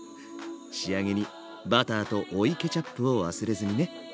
仕上げにバターと追いケチャップを忘れずにね。